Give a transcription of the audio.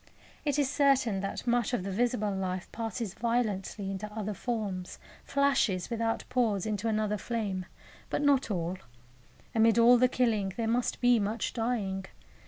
It is certain that much of the visible life passes violently into other forms, flashes without pause into another flame; but not all. Amid all the killing there must be much dying.